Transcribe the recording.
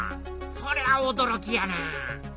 そりゃおどろきやな！